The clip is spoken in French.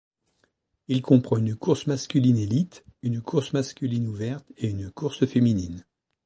Il comprend une course masculine élite, une course masculine ouverte et une course féminine.